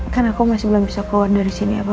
kan aku masih belum bisa keluar dari sini